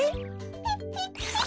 ピッピッピッ！